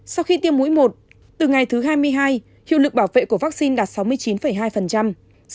sau khi tiêm mũi một từ ngày thứ hai mươi hai hiệu lực bảo vệ của vaccine đạt sáu mươi chín hai